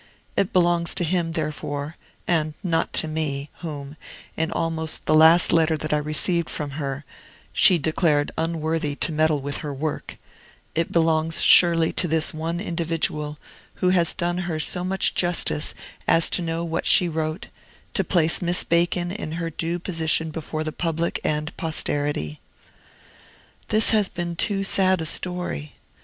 It belongs to him, therefore, and not to me, whom, in almost the last letter that I received from her, she declared unworthy to meddle with her work, it belongs surely to this one individual, who has done her so much justice as to know what she wrote, to place Miss Bacon in her due position before the public and posterity. This has been too sad a story.